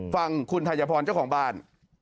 ฟังคุณธัญพรเจ้าของบ้าน